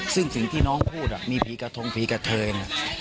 ซึ่งสิ่งที่น้องพูดมีผีกระทงผีกระเทย